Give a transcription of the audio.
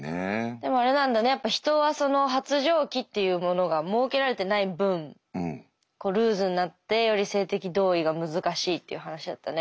でもあれなんだねやっぱ人は発情期っていうものが設けられてない分ルーズになってより性的同意が難しいっていう話だったね。